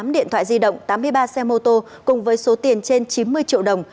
một mươi điện thoại di động tám mươi ba xe mô tô cùng với số tiền trên chín mươi triệu đồng